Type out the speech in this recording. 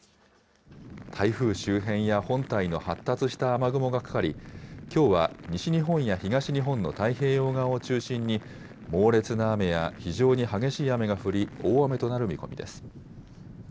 台風周辺や本体の発達した雨雲がかかり、きょうは西日本や東日本の太平洋側を中心に猛烈な雨や非常に激しい雨が降り、大雨となる見込みです。